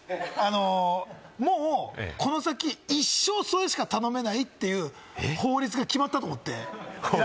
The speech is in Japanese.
もうこの先、一生それしか頼めないという法律が決まったと思って。